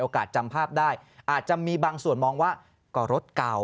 จำภาพได้อาจจะมีบางส่วนมองว่าก็รถเก่า